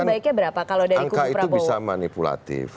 baiknya berapa kalau dari kubu prabowo angka itu bisa manfaat